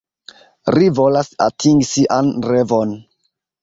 Ri volas atingi sian revon.